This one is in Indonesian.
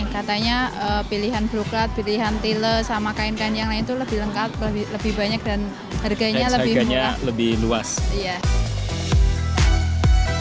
katanya pilihan bluklat pilihan tile sama kain kain yang lain itu lebih lengkap lebih banyak dan harganya lebih murah lebih luas